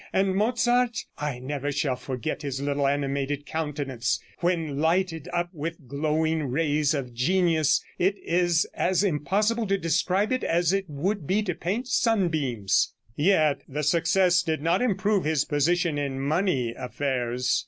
And Mozart, I never shall forget his little animated countenance. When lighted up with the glowing rays of genius, it is as impossible to describe it as it would be to paint sunbeams." Yet the success did not improve his position in money affairs.